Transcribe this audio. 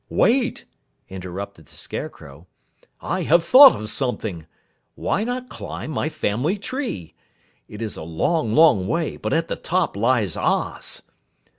"Wait!" interrupted the Scarecrow. "I have thought of something! Why not climb my family tree? It is a long, long way, but at the top lies Oz!"